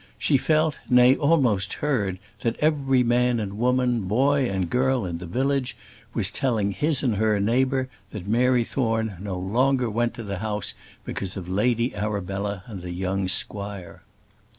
She felt, nay, almost heard, that every man and woman, boy and girl, in the village was telling his and her neighbour that Mary Thorne no longer went to the house because of Lady Arabella and the young squire.